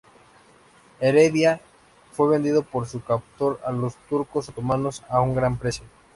Heredia fue vendido por su captor a los turcos otomanos a un gran precio.